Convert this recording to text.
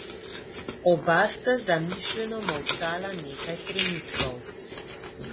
Oba sta zamišljeno molčala nekaj trenutkov.